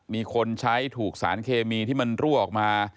มีคนใช้ถูกสารเคมีที่มันรั่วออกมา